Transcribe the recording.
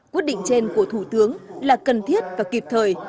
quyết định trên của thủ tướng là cần thiết và kịp thời